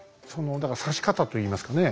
だから差し方といいますかね